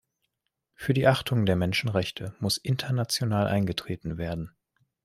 Für die Achtung der Menschenrechte muss international eingetreten werden.